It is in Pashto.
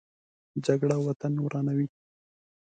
جګړه وطن ورانوي